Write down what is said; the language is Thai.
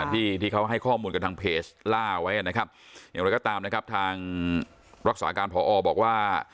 ที่เขาให้ข้อมูลกับทางเพจล่าไว้นะครับอย่างไรก็ตามนะครับทางรักษาการพอบอกว่า